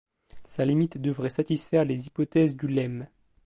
Sa limite devrait satisfaire les hypothèses du lemme.